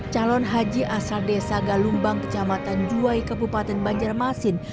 calon haji asal desa galumbang kecamatan juwai kabupaten banjarmasin